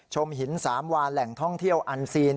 หินสามวานแหล่งท่องเที่ยวอันซีน